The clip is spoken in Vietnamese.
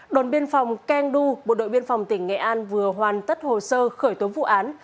đồn biên phòng keng du bộ đội biên phòng tỉnh nghệ an vừa hoàn tất hồ sơ khởi tố vụ án